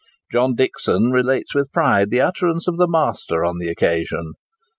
John Dixon relates with pride the utterance of the master on the occasion.